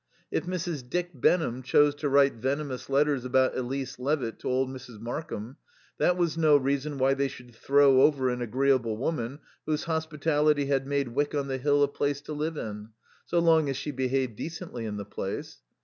If Mrs. Dick Benham chose to write venomous letters about Elise Levitt to old Mrs. Markham, that was no reason why they should throw over an agreeable woman whose hospitality had made Wyck on the Hill a place to live in, so long as she behaved decently in the place.